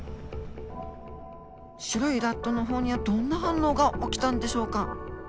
白いラットの方にはどんな反応が起きたんでしょうか？